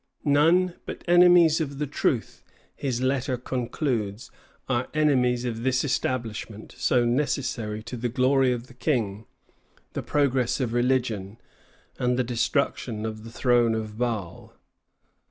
"None but enemies of the truth," his letter concludes, "are enemies of this establishment, so necessary to the glory of the King, the progress of religion, and the destruction of the throne of Baal."